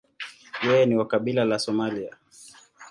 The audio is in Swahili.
Yeye ni wa kabila la Somalia.